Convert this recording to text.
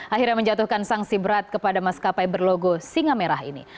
akhirnya menjatuhkan sanksi berat kepada maskapai berlogo singa merah ini